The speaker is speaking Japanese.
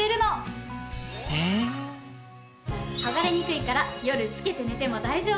剥がれにくいから夜つけて寝ても大丈夫！